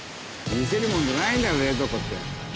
見せるものじゃないんだよ冷蔵庫って。